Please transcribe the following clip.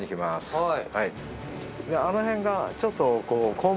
はい。